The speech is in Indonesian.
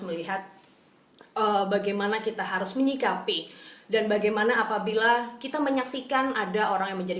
melihat bagaimana kita harus menyikapi dan bagaimana apabila kita menyaksikan ada orang yang menjadi